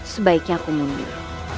sebaiknya aku mundur